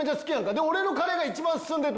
で俺のカレーが一番進んでる。